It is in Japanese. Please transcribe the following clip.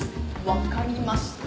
分かりました。